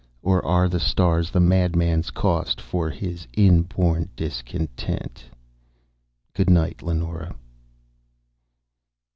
Or are the stars the madman's cost For his inborn discontent?_ "Good night, Leonora."